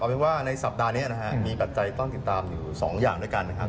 เอาเป็นว่าในสัปดาห์นี้มีปัจจัยต้อนติดตามอยู่๒อย่างด้วยกัน